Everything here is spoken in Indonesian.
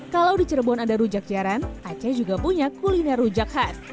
kalau di cirebon ada rujak jaran aceh juga punya kuliner rujak khas